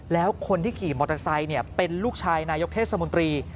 แล้วคนที่ขี่มอเตอร์ไซค์เป็นลูกชายนายกเทศมนตรี